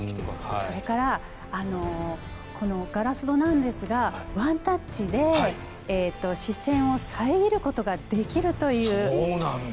それからこのガラス戸なんですがワンタッチで視線を遮ることができるという。